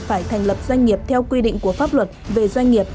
phải thành lập doanh nghiệp theo quy định của pháp luật về doanh nghiệp